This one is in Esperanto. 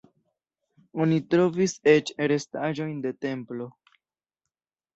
Oni trovis eĉ restaĵojn de templo.